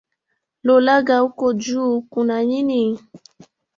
Lolaga uko juu kuna nini?